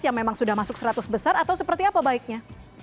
yang memang sudah masuk seratus besar atau seperti apa baiknya